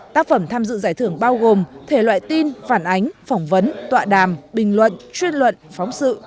tác phẩm tham dự giải thưởng bao gồm thể loại tin phản ánh phỏng vấn tọa đàm bình luận chuyên luận phóng sự